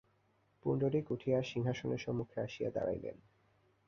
পুণ্ডরীক উঠিয়া সিংহাসনের সম্মুখে আসিয়া দাঁড়াইলেন।